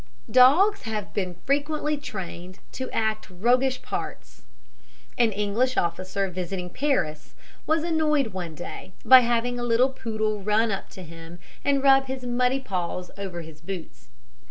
Dogs have been frequently trained to act roguish parts. An English officer visiting Paris, was annoyed one day by having a little poodle run up to him and rub his muddy paws over his boots.